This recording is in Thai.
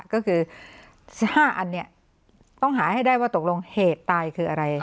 ก็คือ๕อันนี้ต้องหาให้ได้ว่าตกลงเหตุตายคืออะไร